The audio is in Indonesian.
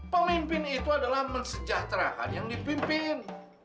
pemimpin itu adalah mensejahterakan yang dipimpin